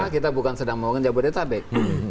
kita bukan sedang membangun jabodetabek